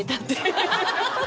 アハハハハ！